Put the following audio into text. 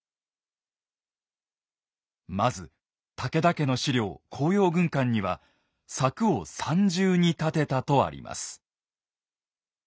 まず武田家の史料「甲陽軍鑑」には「柵を三重に立てた」とあります。